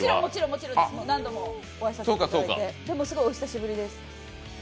もちろんです、何度もお会いさせていただいてすごいお久しぶりです。